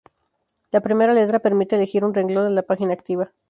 La primera letra permite elegir un renglón en la página activa.